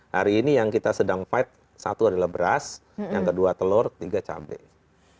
hari ini yang kita sedang fight satu adalah beras yang kedua telur tiga cabai